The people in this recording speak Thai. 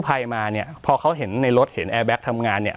ภัยมาเนี่ยพอเขาเห็นในรถเห็นแอร์แก๊กทำงานเนี่ย